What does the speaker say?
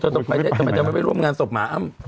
ทำไมเธอไม่ไปร่วมงานศพหมาอ้ำ